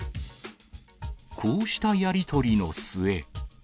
こうしたやり取りの末。